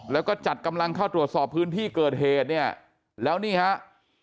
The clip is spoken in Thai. แล้วก็จัดกำลังเข้าตรวจสอบพื้นที่เกิดเหตุเนี่ยแล้วนี่ฮะ